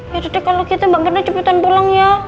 ya udah deh kalo gitu mbak mirna cepetan pulang ya